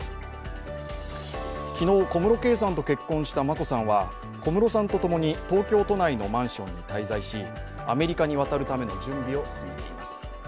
昨日、小室圭さんと結婚した眞子さんは、小室さんとともに東京都内のマンションに滞在し、アメリカに渡るための準備を進めています。